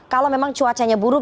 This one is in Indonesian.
kalau memang cuacanya buruk